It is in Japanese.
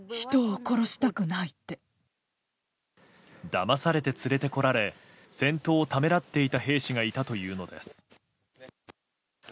だまされて連れてこられ戦闘をためらっていた兵士がいたというのです。